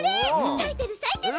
さえてるさえてる！